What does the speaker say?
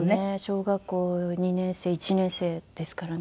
小学校２年生１年生ですからね。